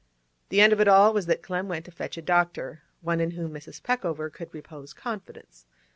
The end of it all was that Clem went to fetch a doctor; one in whom Mrs. Peckover could repose confidence.